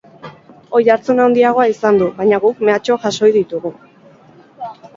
Oihartzun handiagoa izan du, baina guk mehatxuak jaso ohi ditugu.